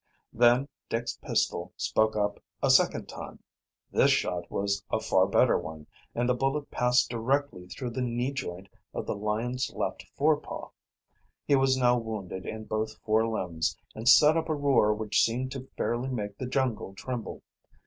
Then Dick's pistol spoke up a second time. This shot was a far better one, and the bullet passed directly through the knee joint of the lion's left forepaw. He was now wounded in both fore limbs, and set up a roar which seemed to fairly make the jungle tremble.